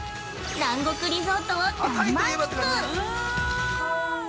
南国リゾートを大満喫。